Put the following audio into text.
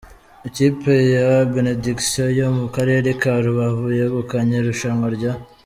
Ikipe ya Benediction yo mu karere ka Rubavu yegukanye irushanwa rya .